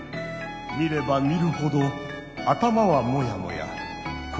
見れば見るほど頭はモヤモヤ心もモヤモヤ。